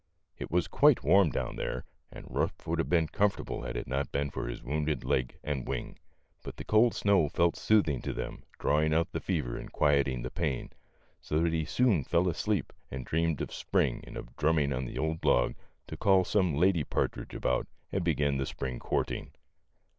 It was quite warm down there, and Ruff would have been comfortable had it not been for his wounded leg and wing ; but the cold snow felt soothing to them, drawing out the fever and quieting the pain, so that he soon fell asleep and dreamed of spring and of drumming on the old log to call some lady partridge about and begin the spring courting.